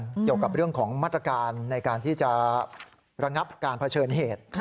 เกี่ยวกับเรื่องของมาตรการในการที่จะระงับการเผชิญเหตุ